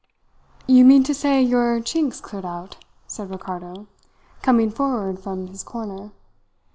"'You mean to say your Chink's cleared out?' said Ricardo, coming forward from his corner.